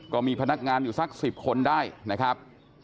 ก็มีพนักงานอยู่สัก๑๐คนได้นะครับ